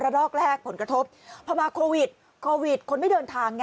รอกแรกผลกระทบพอมาโควิดโควิดคนไม่เดินทางไง